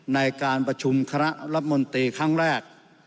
ในการประชุมคณะรัฐมนตรีครั้งแรก